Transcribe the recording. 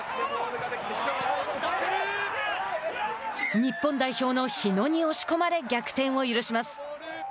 日本代表の日野に押し込まれ逆転を許します。